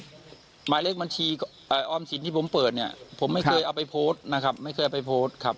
หมาเลขบางชีพดองค์สิทธิ์ที่ผมเปิดเนี่ยผมไม่เคยเอาใบพลนะครับไม่เคยไปโทษครับอ่อ